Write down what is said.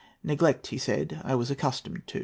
"Neglect," he said, "I was accustomed to.